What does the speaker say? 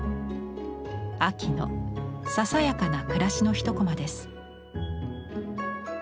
秋のささやかな暮らしの一コマです。